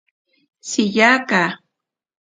Shiyaka.